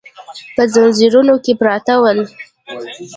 په ځنځیرونو کې پراته ول.